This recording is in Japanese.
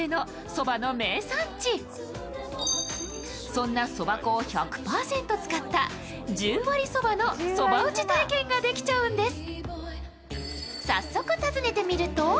そんなそば粉を１００％使った十割そばのそば打ち体験ができちゃうんです。